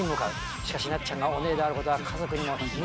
しかしなっちゃんがオネエであることは家族にも秘密。